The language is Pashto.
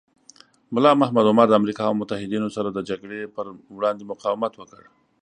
ملا محمد عمر د امریکا او متحدینو سره د جګړې پر وړاندې مقاومت وکړ.